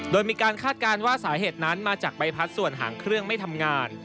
โดยมีการคาดการณ์ว่าสาเหตุนั้นมาจากใบพัดส่วนหางเครื่องไม่ทำงาน